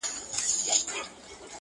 • د شیطان پر پلونو پل ایښی انسان دی ,